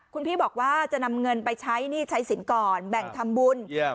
คุณพี่บอกว่าจะนำเงินไปใช้หนี้ใช้สินก่อนแบ่งทำบุญ